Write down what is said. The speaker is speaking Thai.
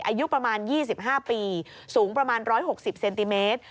อายุประมาณ๒๕ปีสูงประมาณ๑๖๐เซนติเมตร